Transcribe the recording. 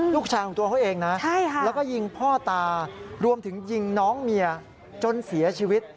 ลูกชายของตัวเขาเองนะแล้วก็ยิงพ่อตารวมถึงยิงน้องเมียจนเสียชีวิต